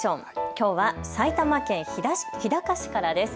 きょうは埼玉県日高市からです。